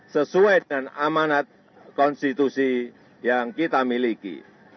sesuai dengan amanat konstitusi yang kita miliki